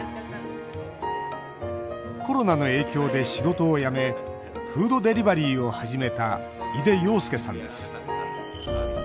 コロナの影響で仕事を辞めフードデリバリーを始めた井出庸介さんです。